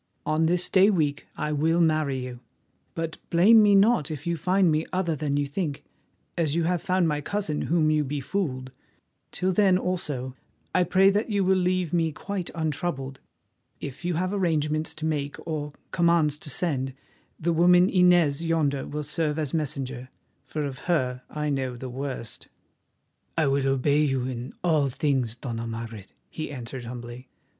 On this day week I will marry you, but blame me not if you find me other than you think, as you have found my cousin whom you befooled. Till then, also, I pray you that you will leave me quite untroubled. If you have arrangements to make or commands to send, the woman Inez yonder will serve as messenger, for of her I know the worst." "I will obey you in all things, Dona Margaret," he answered humbly.